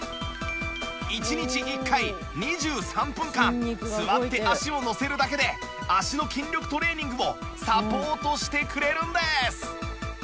１日１回２３分間座って足を乗せるだけで足の筋力トレーニングをサポートしてくれるんです！